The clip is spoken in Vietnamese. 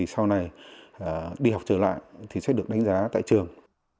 sau này đi học trở lại thì sẽ được đánh giá tại trường